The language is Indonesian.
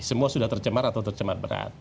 semua sudah tercemar atau tercemar berat